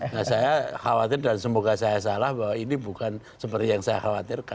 nah saya khawatir dan semoga saya salah bahwa ini bukan seperti yang saya khawatirkan